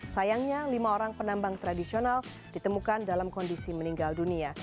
sayangnya lima orang penambang tradisional ditemukan dalam kondisi meninggal dunia